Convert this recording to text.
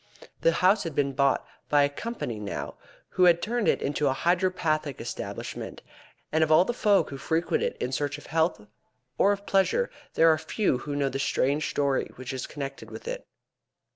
The house has been bought by a company now, who have turned it into a hydropathic establishment, and of all the folk who frequent it in search of health or of pleasure there are few who know the strange story which is connected with it.